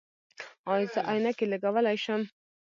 ایا زه عینکې لګولی شم؟